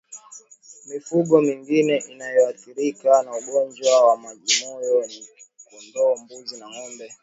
Mifugo mingine inayoathirika na ugonjwa wa majimoyo ni kondoo mbuzi na ngombe